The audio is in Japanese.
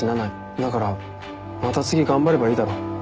だからまた次頑張ればいいだろ。